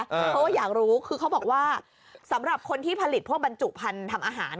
เพราะว่าอยากรู้คือเขาบอกว่าสำหรับคนที่ผลิตพวกบรรจุพันธุ์ทำอาหาร